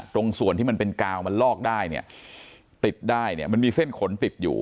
ตรงส่วนที่มันเป็นกาวมันลอกได้เนี่ยติดได้เนี่ยมันมีเส้นขนติดอยู่